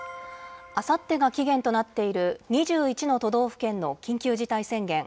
あさってが期限となっている２１の都道府県の緊急事態宣言。